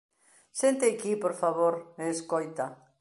Senta eiquí, por favor, e escoita...